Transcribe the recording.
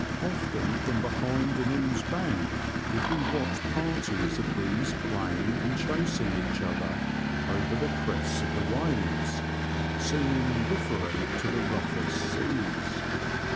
Often from behind an ooze bank did we watch parties of these playing and chasing each other over the crests of the waves, seeming indiff'erent to the roughest seas.